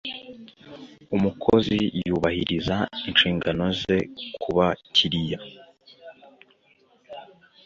umukozi yubahiriza inshingano ze ku bakiriya.